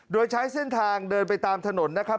โดยใช้เส้นทางเดินไปตามถนนนะครับ